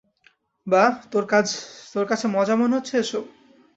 বাহ, তোর কাছে মজা মনে হচ্ছে এসব?